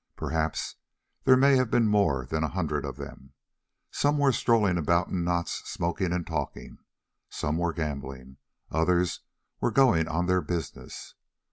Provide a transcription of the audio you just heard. Perhaps there may have been more than a hundred of them. Some were strolling about in knots smoking and talking, some were gambling, others were going on their business.